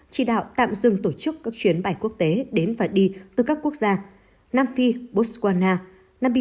chỉ đạo tạm dừng tổ chức các chuyến bay quốc tế đến và đi từ các quốc gia nam phi botswana